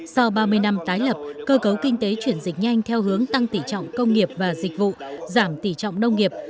sau ba mươi năm tái lập cơ cấu kinh tế chuyển dịch nhanh theo hướng tăng tỉ trọng công nghiệp và dịch vụ giảm tỉ trọng nông nghiệp